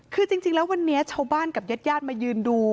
คือจริงแล้ววันนี้เช้าบ้านกับเย็ดมายืนดู